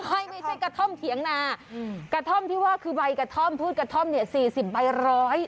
ไม่ใช่กระท่อมเถียงนาอืมกระท่อมที่ว่าคือใบกระท่อมพืชกระท่อมเนี่ยสี่สิบใบร้อย